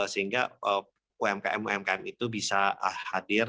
sehingga umkm umkm itu bisa hadir